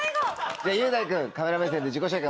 じゃあ雄大君カメラ目線で自己紹介